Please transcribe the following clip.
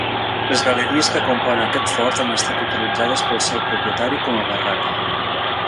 Les galeries que componen aquest fort han estat utilitzades pel seu propietari com a barraca.